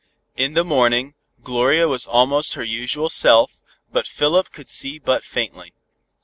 In the morning, Gloria was almost her usual self, but Philip could see but faintly.